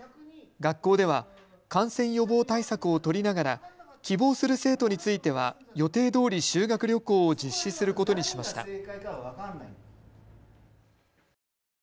学校では感染予防対策を取りながら希望する生徒については予定どおり修学旅行を実施することにしました。